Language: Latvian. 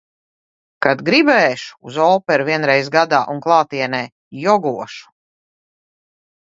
Kad gribēšu, uz operu – vienreiz gadā un klātienē, jogošu.